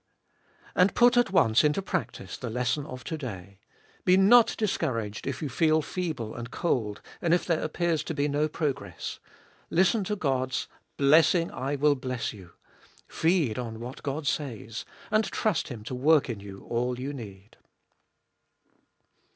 3. And put at once into practice the lesson of to day. Be not discouraged if you feel feeble and cold, and if there appears to be no progress. Listen to God's, Blessing I will bless you. Feed on what God says. And trust Him to work in you all you need.